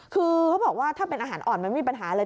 คือเขาบอกว่าถ้าเป็นอาหารอ่อนมันไม่มีปัญหาเลย